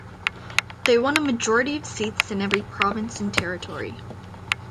They won a majority of seats in every province and territory.